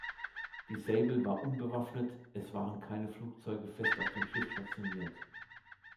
Die Sable war unbewaffnet, es waren keine Flugzeuge fest auf dem Schiff stationiert.